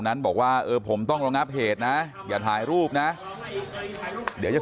นั้นบอกว่าเออผมต้องระงับเหตุนะอย่าถ่ายรูปนะเดี๋ยวจะ